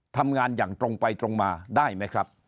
ทำงานอย่างตรงไปตรงมาได้ไหมครับ